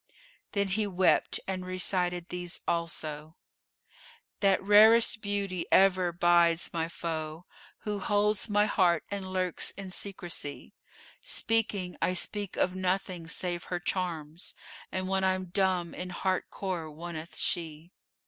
Then he wept and recited these also, "That rarest beauty ever bides my foe * Who holds my heart and lurks in secresy: Speaking, I speak of nothing save her charms * And when I'm dumb in heart core woneth she."